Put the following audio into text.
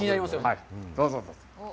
はい、どうぞ、どうぞ。